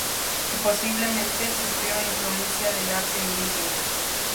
Posiblemente, sufrió influencia del arte indígena.